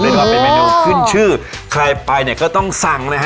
เรียกว่าเป็นเมนูขึ้นชื่อใครไปเนี่ยก็ต้องสั่งนะฮะ